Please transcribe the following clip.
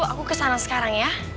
aku kesana sekarang ya